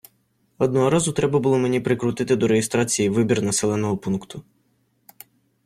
Одного разу треба було мені прикрутити до реєстрації вибір населеного пункту.